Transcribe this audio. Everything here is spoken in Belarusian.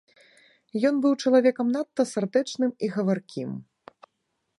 Ён быў чалавекам надта сардэчным і гаваркім.